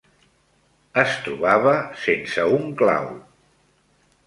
Es trobava sense un clau